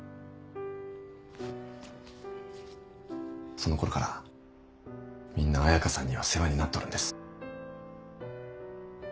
そのころからみんな彩佳さんには世話になっとるんです。